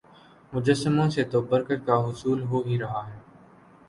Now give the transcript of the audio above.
مجسموں سے تو برکت کا حصول ہو ہی رہا ہے